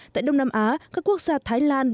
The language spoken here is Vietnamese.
tại đông nam á các quốc gia thái lan